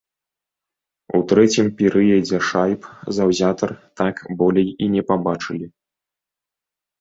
У трэцім перыядзе шайб заўзятар так болей і не пабачылі.